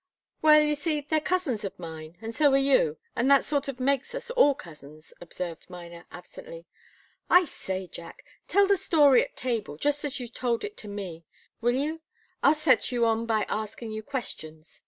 "Well you see, they're cousins of mine, and so are you, and that sort of makes us all cousins," observed Miner, absently. "I say, Jack tell the story at table, just as you've told it to me. Will you? I'll set you on by asking you questions.